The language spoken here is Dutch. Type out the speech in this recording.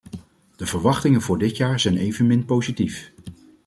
De verwachtingen voor dit jaar zijn evenmin positief.